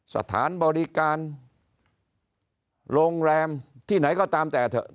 สถานบริการโรงแรมที่ไหนก็ตามแต่เถอะ